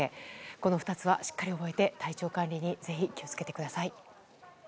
この２つはしっかり覚えて体調管理にぜひ気をつけてください。